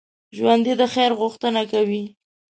ژوندي د خیر غوښتنه کوي